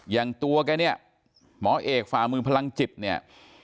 อย่างตัวแกเนี่ยหมอเอกฝ่ามือพลังจิตเนี่ย